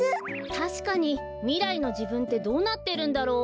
たしかにみらいのじぶんってどうなってるんだろう？